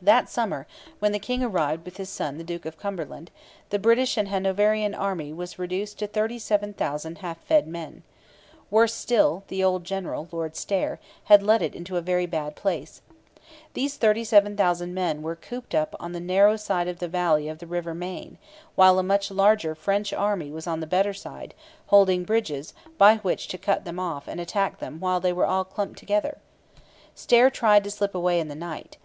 That summer, when the king arrived with his son the Duke of Cumberland, the British and Hanoverian army was reduced to 37,000 half fed men. Worse still, the old general, Lord Stair, had led it into a very bad place. These 37,000 men were cooped up on the narrow side of the valley of the river Main, while a much larger French army was on the better side, holding bridges by which to cut them off and attack them while they were all clumped together. Stair tried to slip away in the night.